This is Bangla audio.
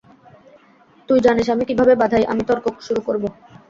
তুই জানিস আমি কিভাবে বাঁধাই, আমি তর্ক শুরু করবো।